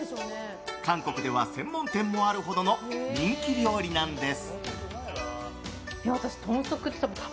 韓国では専門店もあるほどの人気料理なんです。